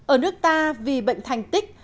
ở nước ta vì bệnh thành tích